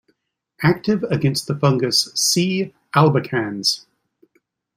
Active against the fungus C.albicans.